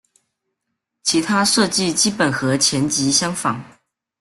其他设计基本和前级相仿。